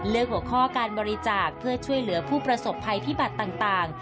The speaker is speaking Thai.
หัวข้อการบริจาคเพื่อช่วยเหลือผู้ประสบภัยพิบัตรต่าง